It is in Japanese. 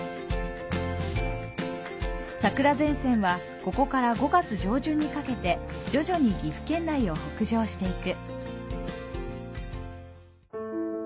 桜前線はここから５月上旬にかけて徐々に岐阜県内を北上していく。